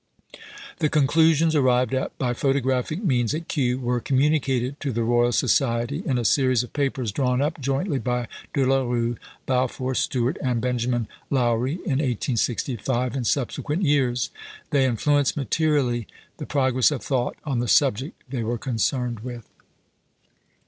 The conclusions arrived at by photographic means at Kew were communicated to the Royal Society in a series of papers drawn up jointly by De la Rue, Balfour Stewart, and Benjamin Loewy, in 1865 and subsequent years. They influenced materially the progress of thought on the subject they were concerned with.